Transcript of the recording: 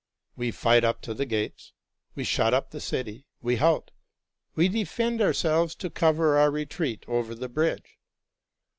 We fight up to the gates, we shut up the city, we halt, we defend ourselves to cover our retreat over the bridge.